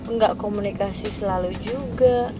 nggak komunikasi selalu juga